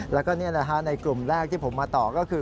แล้วก็นี่แหละฮะในกลุ่มแรกที่ผมมาต่อก็คือ